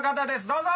どうぞ！